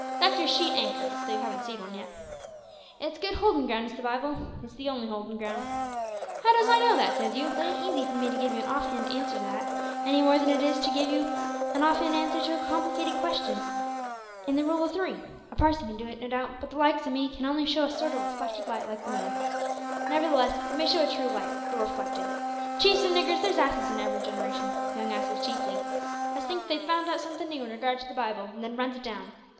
That's your sheet anchor though you haven't seed one yet. It's good holdin' ground is the Bible it's the only holdin' ground. `How does I know that?' says you. Well, it ain't easy for me to give you an off hand answer to that, any more than it is to give you an off hand answer to a complicated question in the rule o' three. A parson could do it, no doubt, but the likes o' me can only show a sort o' reflected light like the moon; nevertheless, we may show a true light though reflected. Chiefs an' niggers, there's asses in every generation (young asses chiefly) as thinks they've found out somethin' noo in regard to the Bible, an' then runs it down.